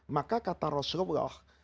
maka kata rasulullah